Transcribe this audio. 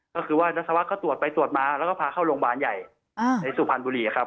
ก็คือว่ารัสวัสก็ตรวจไปตรวจมาแล้วก็พาเข้าโรงพยาบาลใหญ่ในสุพรรณบุรีครับ